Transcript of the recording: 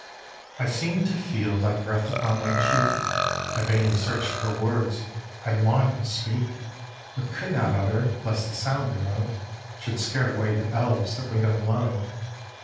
xiii. I seem'd to feel thy breath upon my cheek; I vainly searched for words I long'd to speak, But could not utter lest the sound thereof Should scare away the elves that wait on love.